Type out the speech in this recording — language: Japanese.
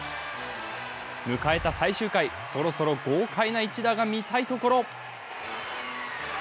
迎えた最終回、そろそろ豪快な一打が見たいところ。